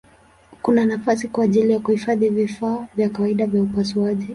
Kuna nafasi kwa ajili ya kuhifadhi vifaa vya kawaida vya upasuaji.